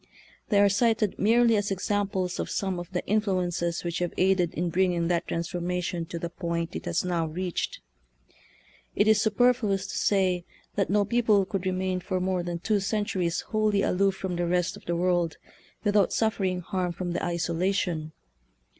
They are cited merely as examples of some of the influ ences which have aided in bringing that transformation to the point it has now reached. It is superfluous to say that no people could remain for more than two centuries wholly aloof from the rest of the world without suffering harm from the isolation.